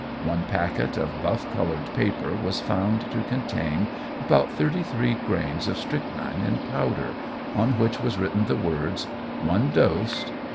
One packet of buff coloured paper was found to contain about thirty three grains of strychnine in powder, on which was written the words, "One dose.